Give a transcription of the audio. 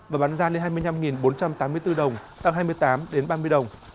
và bán ra lên hai mươi năm bốn trăm tám mươi bốn đồng tăng hai mươi tám ba mươi đồng